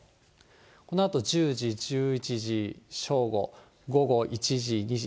このあと１０時、１１時、正午、午後１時、２時。